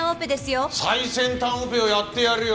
最先端オペをやってやるよ！